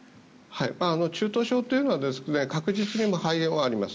中等症というのは確実に肺炎はあります。